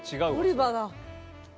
オリバだ。